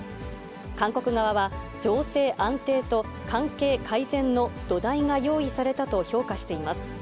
韓国側は、情勢安定と、関係改善の土台が用意されたと評価しています。